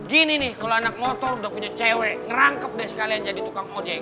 gini nih kalau anak motor udah punya cewek ngerangkep deh sekalian jadi tukang ojek